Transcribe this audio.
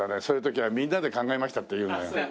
そういう時はみんなで考えましたって言うんだよ。